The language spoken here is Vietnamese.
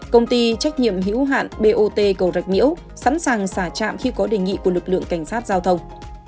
công ty trách nhiệm hữu hạn bot cầu rạch miễu sẵn sàng xả trạm khi có đề nghị của lực lượng cảnh sát giao thông